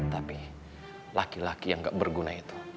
tapi laki laki yang gak berguna itu